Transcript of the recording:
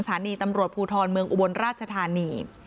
สถานีตำรวจภูทรเมืองอุบลราชธานี